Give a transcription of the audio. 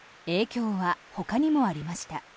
影響は、ほかにもありました。